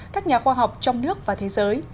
các nhà khoa học trong nước và thế giới